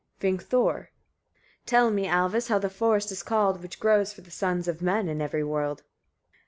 Vingthor. 28. Tell me, Alvis! etc., how the forest is called, which grows for the sons of men in every world.